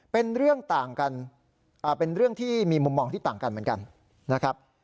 เป็นเรื่องต่างกันเป็นเรื่องที่มีมุมมองที่ต่างกันเหมือนกันนะครับ